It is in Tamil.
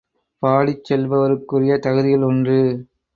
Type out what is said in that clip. பாடிச் செல்பவருக்குரிய தகுதிகள் ஒன்று.